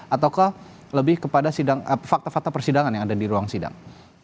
ataukah lebih kepada fakta fakta persidangan yang ada di ruang sidang